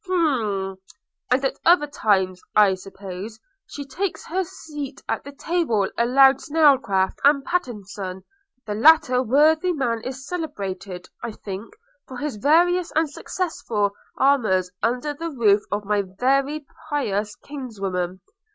'Humph! – and at other times, I suppose, she takes her seat at the table allowed Snelcraft and Pattenson: the latter worthy man is celebrated, I think, for his various and successful amours under the roof of my very pious kinswoman.